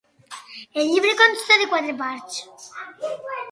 El llibre consta de quatre parts.